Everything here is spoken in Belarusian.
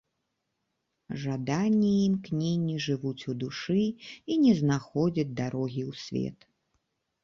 Жаданні і імкненні жывуць у душы і не знаходзяць дарогі ў свет.